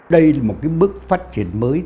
đây là một bước phát triển mới